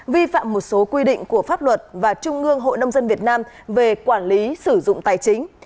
vi phạm một số quy định của pháp luật và trung ương hội nông dân việt nam về quản lý sử dụng tài chính